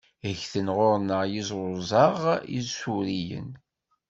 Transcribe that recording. Ggten ɣur-neɣ yizruzaɣ isuriyen.